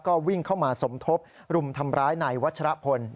ก็วิ่งเข้ามาสมทบรุมทำร้ายนายวัชรพล